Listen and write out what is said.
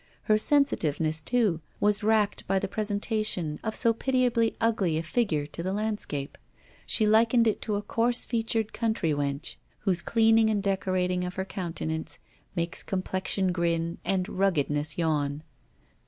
Her sensitiveness, too, was racked by the presentation of so pitiably ugly a figure to the landscape. She likened it to a coarse featured country wench, whose cleaning and decorating of her countenance makes complexion grin and ruggedness yawn.